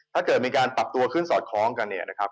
ถ้าเกิดมีการปรับตัวขึ้นสอดคล้องกันเนี่ยนะครับ